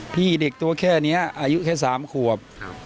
พี่เด็กตัวแค่นี้อายุแค่๓ขวบ